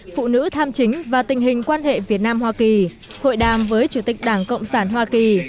phụ nữ tham chính và tình hình quan hệ việt nam hoa kỳ hội đàm với chủ tịch đảng cộng sản hoa kỳ